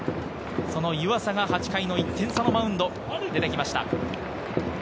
その湯浅が８回の１点差のマウンド、出てきました。